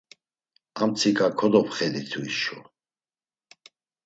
Amtsika kodopxeditu hişo.